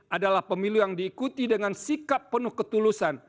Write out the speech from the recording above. adalah pemilu yang diikuti dengan sikap penuh ketulusan